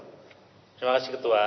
terima kasih ketua